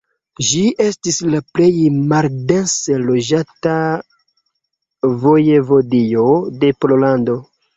Ĝi estis la plej maldense loĝata vojevodio de Pollando.